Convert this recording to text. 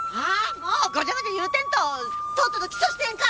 もうごちゃごちゃ言うてんととっとと起訴してんか！